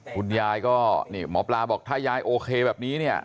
คุณยายก็นี่หมอปลาบอกถ้ายายโอเคแบบนี้เนี่ย